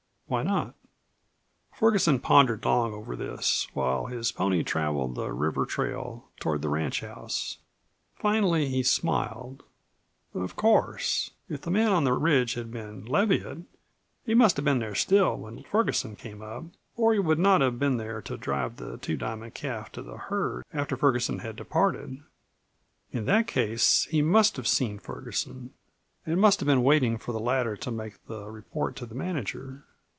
Why not? Ferguson pondered long over this, while his pony traveled the river trail toward the ranchhouse. Finally he smiled. Of course, if the man on the ridge had been Leviatt, he must have been there still when Ferguson came up, or he would not have been there to drive the Two Diamond calf to the herd after Ferguson had departed. In that case he must have seen Ferguson, and must be waiting for the latter to make the report to the manager.